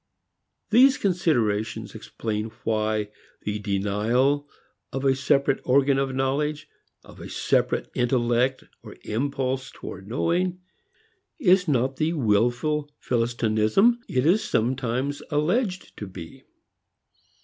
These considerations explain why the denial of a separate organ of knowledge, of a separate instinct or impulse toward knowing, is not the wilful philistinism it is sometimes alleged to be.